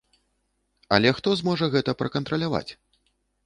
Але хто зможа гэта пракантраляваць?